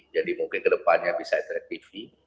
jadi mungkin kedepannya bisa interaktif